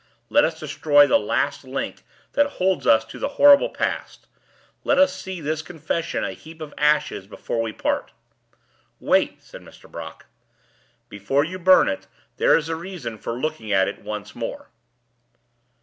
"Let us destroy the last link that holds us to the horrible past! Let us see this confession a heap of ashes before we part!" "Wait!" said Mr. Brock. "Before you burn it, there is a reason for looking at it once more."